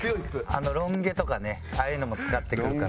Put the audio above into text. あのロン毛とかねああいうのも使ってくるから。